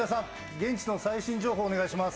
現地の最新情報をお願いします。